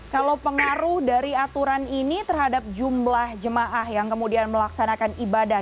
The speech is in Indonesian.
kalau pengaruh dari aturan ini terhadap jumlah jemaah yang kemudian melaksanakan ibadah